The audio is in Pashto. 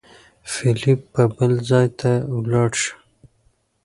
فېلېپ به بل ځای ته ولاړ شي.